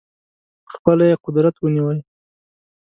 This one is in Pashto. په خپله یې قدرت ونیوی.